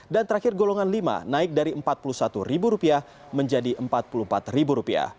dan terakhir golongan lima naik dari rp empat puluh satu menjadi rp empat puluh empat